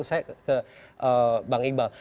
saya ke bang iqbal